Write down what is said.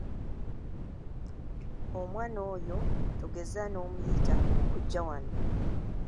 Omwana oyo togeza n’omuyita okujja wano!